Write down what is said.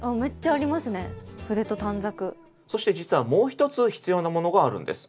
そして実はもう一つ必要なものがあるんです。